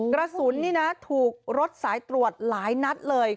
กระสุนนี่นะถูกรถสายตรวจหลายนัดเลย